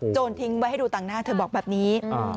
ทิ้งไว้ให้ดูต่างหน้าเธอบอกแบบนี้